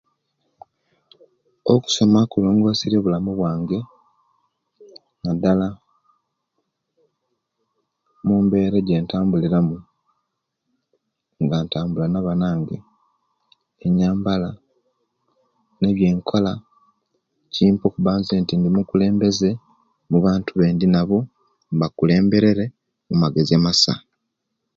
Okusoma kulongoserie obulamu bwange, nadala, mumbeera eje'ntambuliramu, nga ntambula nabanange, enyambala, nebyenkola, kimpa okuba zenti indi mukulembeze mubantu abendinabo mbakulemberere mumagezi amasa.